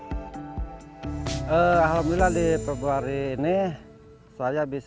padi di lahan seluas tiga hektare yang dia miliki tubuh dengan bagus karena hujan terus turun sehingga menghemat ongkos pompa air irigasi